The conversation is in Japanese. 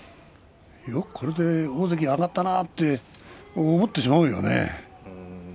よくこれで大関に上がったなって思ってしまうよね。